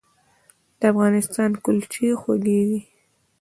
د افغانستان کلچې خوږې دي